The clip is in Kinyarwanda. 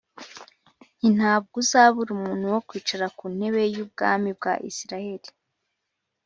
nti ‘Ntabwo uzabura umuntu wo kwicara ku ntebe y’ubwami bwa Isirayeli’